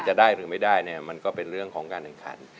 จะได้หรือไม่ได้เนี่ยมันก็เป็นเรื่องของการแข่งขัน